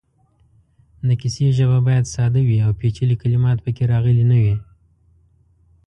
د کیسې ژبه باید ساده وي او پېچلې کلمات پکې راغلې نه وي.